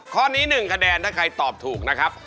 ข้อนี้๑คะแนนถ้าใครตอบถูกนะครับ